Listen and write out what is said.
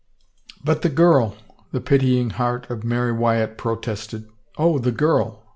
" But the girl —" the pitying heart of Mary Wyatt protested. " Oh, the girl